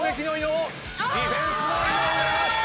ディフェンスの井上力尽きた！